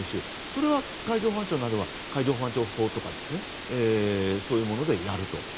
それは海上保安庁などは海上保安庁法やそういうものでやると。